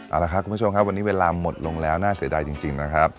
เอาละครับคุณผู้ชมครับวันนี้เวลาหมดลงแล้วน่าเสียดายจริงนะครับ